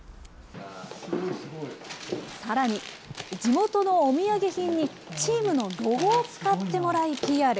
さらに地元のお土産品に、チームのロゴを使ってもらいＰＲ。